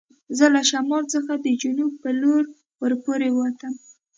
زه له شمال څخه د جنوب په لور ور پورې و وتم.